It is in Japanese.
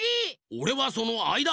おれはそのあいだ！